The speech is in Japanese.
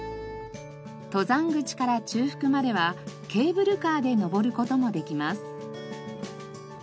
登山口から中腹まではケーブルカーで登る事もできます。